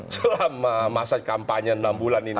selama masa kampanye enam bulan ini